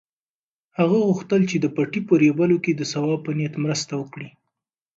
هغه غوښتل چې د پټي په رېبلو کې د ثواب په نیت مرسته وکړي.